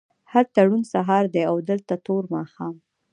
هلته روڼ سهار دی او دلته تور ماښام